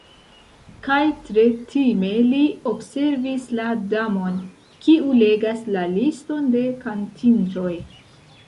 Kaj tre time li observis la Damon, kiu legas la liston de kantintoj.